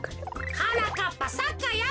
はなかっぱサッカーやろうぜ。